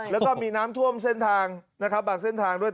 แล้วก็มีน้ำท่วมเส้นทางนะครับบางเส้นทางด้วย